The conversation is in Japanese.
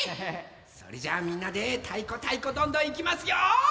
それじゃあみんなで「たいこたいこどんどん」いきますよ！